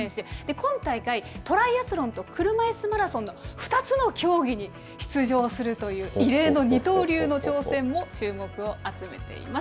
今大会、トライアスロンと車いすマラソンの２つの競技に出場するという、異例の二刀流の挑戦も注目を集めています。